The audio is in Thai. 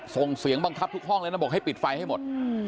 ส่งเสียงบังคับทุกห้องเลยนะบอกให้ปิดไฟให้หมด